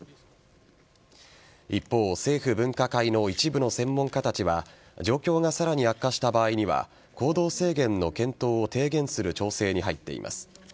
一方、政府分科会の一部の専門家たちは状況がさらに悪化した場合には行動制限の検討を提言する調整に入っています。